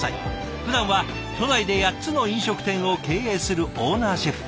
ふだんは都内で８つの飲食店を経営するオーナーシェフ。